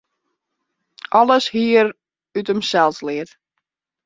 Alles hie er út himsels leard.